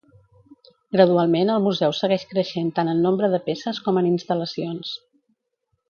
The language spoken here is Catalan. Gradualment el museu segueix creixent tant en nombre de peces com en instal·lacions.